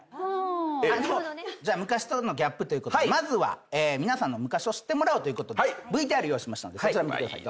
昔とのギャップということで皆さんの昔を知ってもらおうとＶＴＲ用意しましたのでそちら見てください。